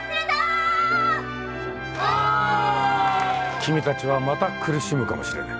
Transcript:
君たちはまた苦しむかもしれない。